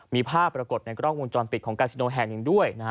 มีภาพปรากฏในกล้องวงจรปิดของกาซิโนแห่งหนึ่งด้วยนะฮะ